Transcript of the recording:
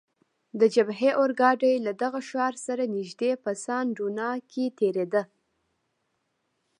د جبهې اورګاډی له دغه ښار سره نږدې په سان ډونا کې تیریده.